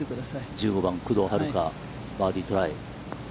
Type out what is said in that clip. １５番、工藤遥加、バーディートライ。